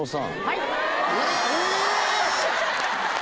はい。